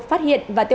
phát hiện và truy tìm